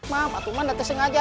maaf aku mah nggak tersengaja